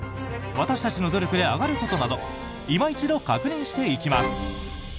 私たちの努力で上がることなどいま一度、確認していきます。